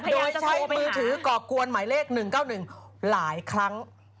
โดยใช้มือถือก่อกวนหมายเลข๑๙๑หลายครั้ง